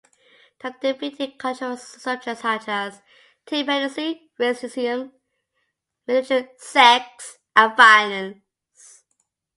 They have depicted controversial subjects such as teen pregnancy, racism, religion, sex, and violence.